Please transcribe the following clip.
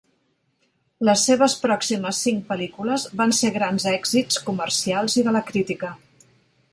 Les seves pròximes cinc pel·lícules van ser grans èxits comercials i de la crítica.